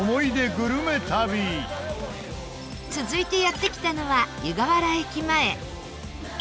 グルメ旅続いて、やって来たのは湯河原駅前